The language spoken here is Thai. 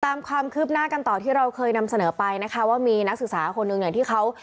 ตามความคืบหน้ากันต่อที่เราเคยนำเสนอไปนะคะว่ามีนักศึกษาคนหนึ่งเนี่ยที่เขา